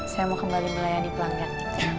saya mau kembali melayani pelanggan